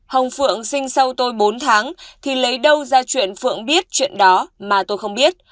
hồng phượng sinh sau tôi bốn tháng thì lấy đâu ra chuyện phượng biết chuyện đó mà tôi không biết